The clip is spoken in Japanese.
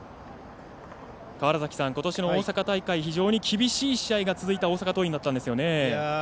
ことしの大阪大会、非常に厳しい試合が続いた大阪桐蔭だったんですよね。